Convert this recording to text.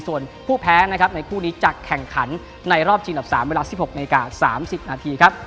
ส่วนผู้แพ้ในคู่นี้จากแข่งขันในรอบชิงกลับสารเวลา๑๖นายกา๓๐นาทีครับ